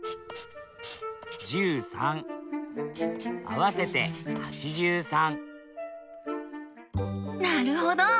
合わせて８３なるほど！